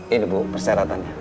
ini bu persyaratannya